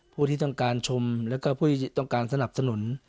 ผู้ที่ต้องการชมแล้วก็ผู้ที่ต้องการสนับสนุน